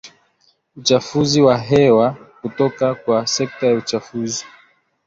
uchafuzi wa hewa kutoka kwa sekta ya usafiri